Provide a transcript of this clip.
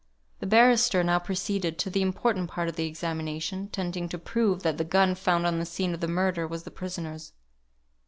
The barrister now proceeded to the important part of the examination, tending to prove that the gun found on the scene of the murder was the prisoner's.